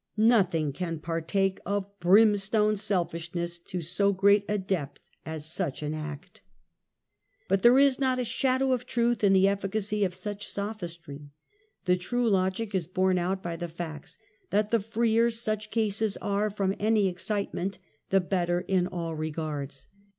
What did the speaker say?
]N^othing can partake of brimstone selfishness to so great a depth as such an act 1 1 1 124 UNMASKED. But there is not a shadow of truth in the efficac} " of such so]3histry. The true logic is borne out by facts, that the freer such cases are from any excite ment the better in all regards.